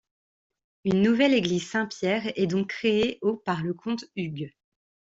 Une nouvelle église Saint-Pierre est donc créée au par le comte Hugues.